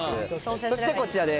そしてこちらです。